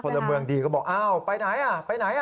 พลเมืองดีก็บอกไปไหนอ่ะไปไหนอ่ะ